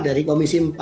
dari komisi empat